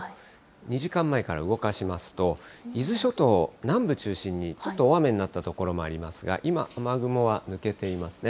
２時間前から動かしますと、伊豆諸島南部を中心にちょっと大雨になった所もありますが、今、雨雲は抜けていますね。